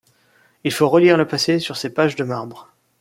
Il faut relire le passé sur ces pages de marbre.